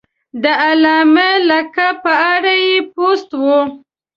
د علامه لقب په اړه یې پوسټ و.